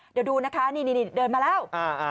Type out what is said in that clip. เดี๋ยวดูนะคะนี่เดินมาแล้ว